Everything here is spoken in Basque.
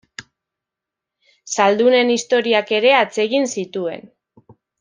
Zaldunen historiak ere atsegin zituen.